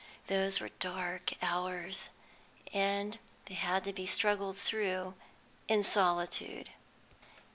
Those were dark hours, and they had to be struggled through in solitude.